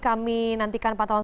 kami nantikan pantauan